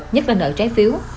nhất là nợ trái phiếu